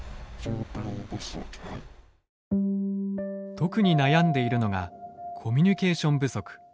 特に悩んでいるのがコミュニケーション不足。